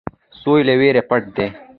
سوی له وېرې پټ شو.